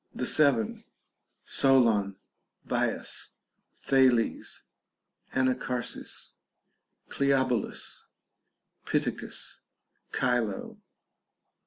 THE SEVEN, — SOLON, BIAS, THALES, ANACHARSIS, CLEOBULUS, PITTACUS, CHILO.